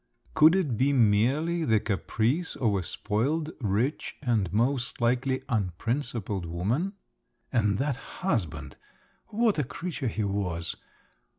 Could it be merely the caprice of a spoiled, rich, and most likely unprincipled woman? And that husband! What a creature he was!